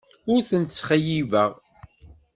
Ur tent-ttxeyyibeɣ.